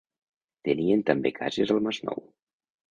Tenien també cases al Masnou.